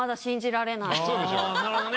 あなるほどね。